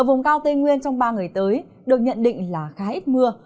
vùng cao tây nguyên trong ba ngày tới được nhận định là khá ít mưa